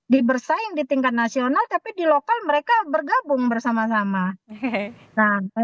di bersaing di tingkat nasional tapi di lokal mereka bergabung bersama sama